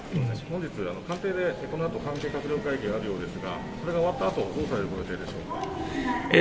本日、官邸で、このあと関係閣僚会議があるようですが、それが終わったあと、どうされる予定でしょうか。